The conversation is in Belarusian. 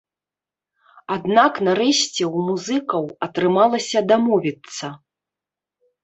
Аднак нарэшце ў музыкаў атрымалася дамовіцца.